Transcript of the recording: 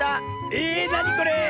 えなにこれ⁉わあ！